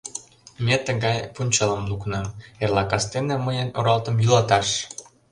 Ме тыгай пунчалым лукна: эрла кастене мыйын оралтым йӱлаташ.